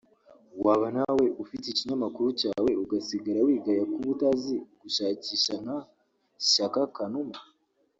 waba nawe ufite ikinyamakuru cyawe ugasigara wigaya kuba utazi gushakisha nka Shyaka Kanuma